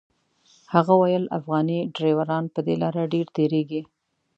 هغه ویل افغاني ډریوران په دې لاره ډېر تېرېږي.